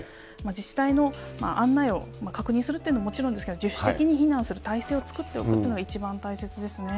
自治体の案内を確認するというのももちろんですけれども、自主的に避難する体制を作っておくっていうのが一番大切ですね。